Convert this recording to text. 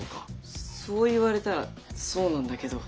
そう言われたらそうなんだけど。